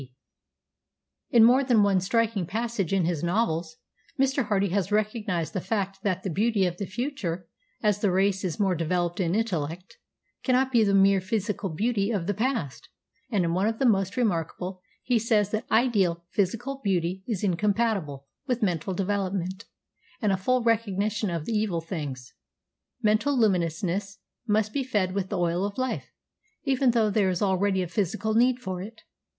] "In more than one striking passage in his novels Mr. Hardy has recognised the fact that the beauty of the future, as the race is more developed in intellect, cannot be the mere physical beauty of the past; and in one of the most remarkable he says that 'ideal physical beauty is incompatible with mental development, and a full recognition of the evil of things. Mental luminousness must be fed with the oil of life, even though there is already a physical need for it.